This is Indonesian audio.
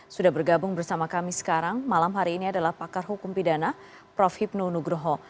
sudah bergabung bersama kami sekarang malam hari ini adalah pakar hukum pidana prof hipnu nugroho